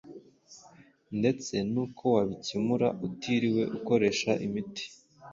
ndetse nuko wabikemura utiriwe ukoresha imiti